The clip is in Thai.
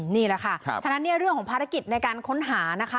นี่แหละค่ะฉะนั้นเนี่ยเรื่องของภารกิจในการค้นหานะคะ